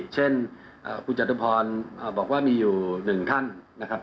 เช่นคุณจตุพรบอกว่ามีอยู่๑ท่านนะครับ